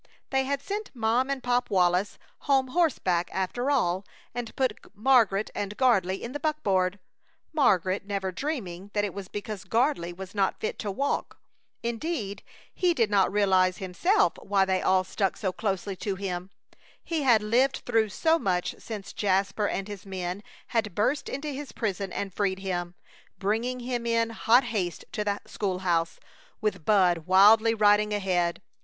They had sent Mom and Pop Wallis home horseback, after all, and put Margaret and Gardley in the buckboard, Margaret never dreaming that it was because Gardley was not fit to walk. Indeed, he did not realize himself why they all stuck so closely to him. He had lived through so much since Jasper and his men had burst into his prison and freed him, bringing him in hot haste to the school house, with Bud wildly riding ahead.